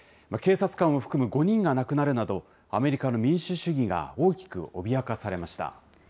警察官を含む５人が亡くなるなど、アメリカの民主主義が大きく脅かされました。